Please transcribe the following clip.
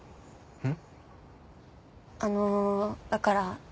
うん。